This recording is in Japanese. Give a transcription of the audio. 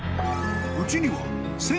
「うちには」